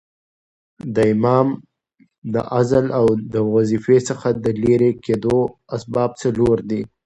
د امام د عزل او د وظیفې څخه د ليري کېدو اسباب څلور دي.